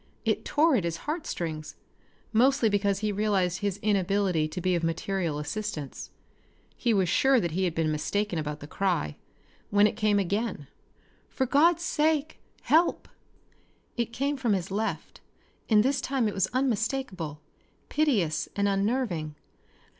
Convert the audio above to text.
It tore at his heartstrings, mostly because he realized his inability to be of material assistance. He was sure that he had been mistaken about the cry, when it came again. "For God's sake, help!" It came from his left and this time it was unmistakable, piteous and unnerving.